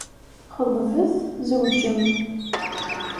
Xeḍbet, tzewǧem.